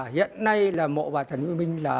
hiện nay là mộ bà trấn quốc minh là